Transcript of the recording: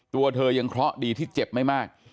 ตัวเธอยังเคราะห์ดีที่เจ็บไม่มาก